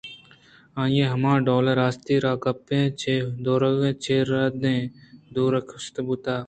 آئیءَ ہماڈول ءَراستی ءِ راہ گپتگ ءُ چہ درٛوگءُردیںءَ دُور ءُگستا بوتگ